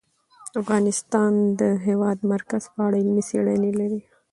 افغانستان د د هېواد مرکز په اړه علمي څېړنې لري.